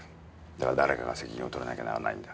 だが誰かが責任を取らなきゃならないんだ。